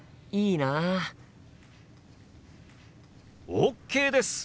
ＯＫです！